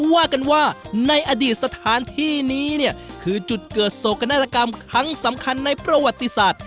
ว่ากันว่าในอดีตสถานที่นี้เนี่ยคือจุดเกิดโศกนาฏกรรมครั้งสำคัญในประวัติศาสตร์